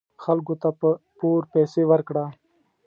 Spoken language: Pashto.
خلکو ته په پور پیسې ورکړه .